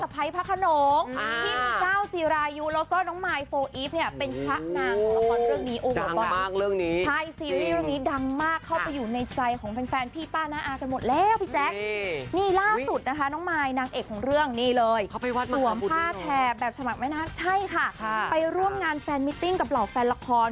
ไปร่วมงานแฟนมิตติ้งกับเหล่าแฟนละคร